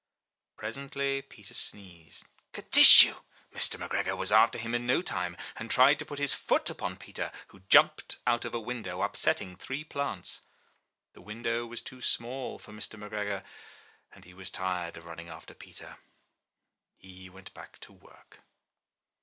Presently Peter sneezed — "Kertyschoo!" Mr. Mc i88 I N THE NURSERY Gregor was after him in no time and tried to put his foot upon Peter, who jumped out of a window, upsetting three plants. The window was too small for Mr. McGregor, and he was tired of running after Peter. He went back to his work.